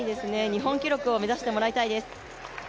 日本記録を目指してもらいたいです。